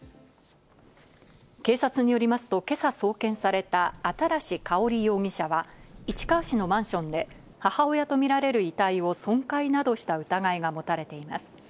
警察によりますと今朝送検された、新かほり容疑者は、市川市のマンションで母親とみられる遺体を損壊などした疑いが持たれています。